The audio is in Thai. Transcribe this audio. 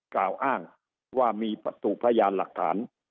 กล่าวอ้างว่ามีวัตถุพยานหลักฐาน